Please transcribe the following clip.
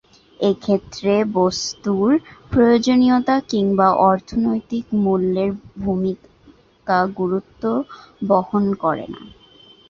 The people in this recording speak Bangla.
এক্ষেত্রে বস্তুর প্রয়োজনীয়তা কিংবা অর্থনৈতিক মূল্যের ভূমিকা গুরুত্ব বহন করে না।